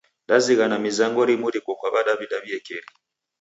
Dazighana mizango rimu riko kwa W'adaw'ida w'iekeri.